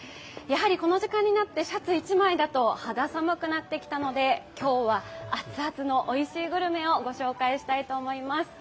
この時間になってシャツ１枚だと肌寒くなってきたので今日は熱々のおいしいグルメをご紹介したいと思います。